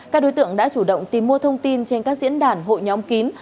các đối tượng đã chủ động tìm mua thông tin trên các diễn đàn hội nhóm kín